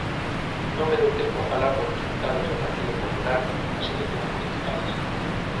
Non me dou tempo a falar dos resultados do Partido Popular nas eleccións municipais.